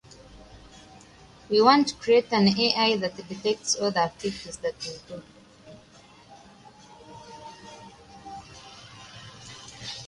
I want a special song.